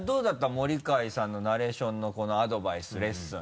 森開さんのナレーションのアドバイスレッスン。